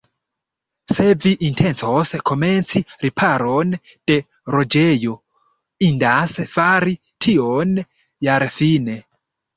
Se vi intencos komenci riparon de loĝejo, indas fari tion jarfine.